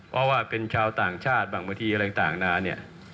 เพราะว่าเป็นชาวต่างชาติบางทีอะไรต่างนานาเนี่ย